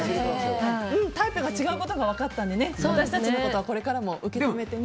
タイプが違うことが分かったので私たちのことはこれからも受け止めて。